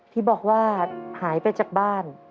ที่บอกว่าหายไปจากบ้าน